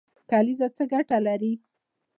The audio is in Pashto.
کلیزه څه ګټه لري؟